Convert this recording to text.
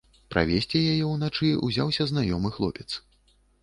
Правесці яе ўначы ўзяўся знаёмы хлопец.